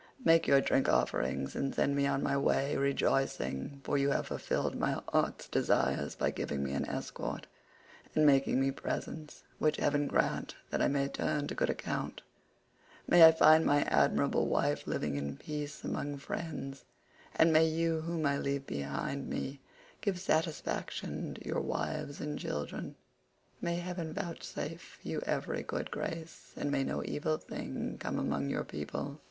Make your drink offerings and send me on my way rejoicing, for you have fulfilled my heart's desire by giving me an escort, and making me presents, which heaven grant that I may turn to good account; may I find my admirable wife living in peace among friends,109 and may you whom I leave behind me give satisfaction to your wives and children;110 may heaven vouchsafe you every good grace, and may no evil thing come among your people."